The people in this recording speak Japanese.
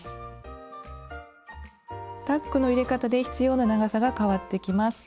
タックの入れ方で必要な長さが変わってきます。